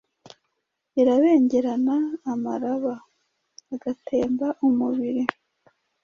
Irabengerana amaraba.agatemba umubiri